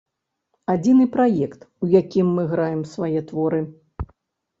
Адзіны праект, у якім мы граем свае творы.